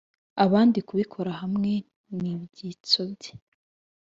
abandi kubikora hamwe n ibyitso bye